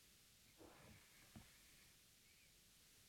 十四隻獅子